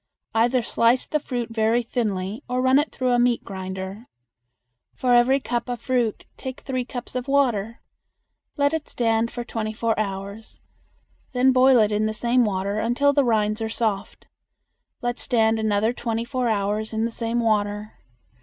Either slice the fruit very thinly or run it through a meat grinder. For every cup of fruit take three cups of water. Let it stand for twenty four hours. Then boil it in the same water until the rinds are soft. Let stand another twenty four hours in the same water.